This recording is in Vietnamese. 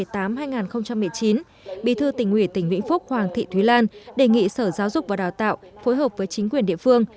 từ năm hai nghìn một mươi tám hai nghìn một mươi chín bị thư tỉnh nguyễn tỉnh nguyễn phúc hoàng thị thúy lan đề nghị sở giáo dục và đào tạo phối hợp với chính quyền địa phương